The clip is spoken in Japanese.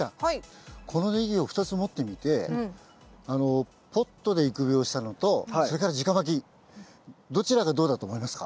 このネギを２つ持ってみてポットで育苗したのとそれからじかまきどちらがどうだと思いますか？